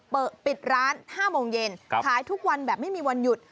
เปิดปิดร้าน๕โมงเย็นขายทุกวันแบบไม่มีวันหยุด